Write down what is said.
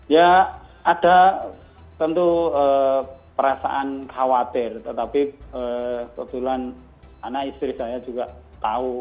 ya ada tentu perasaan khawatir tetapi kebetulan anak istri saya juga tahu